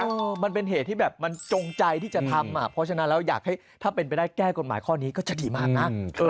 เพราะมันเป็นเหตุที่จงใจที่จะทำอยากให้แก้กฎหมายข้อนี้ก็จะดีมากนะ